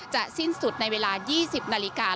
สิ้นสุดในเวลา๒๐นาฬิกา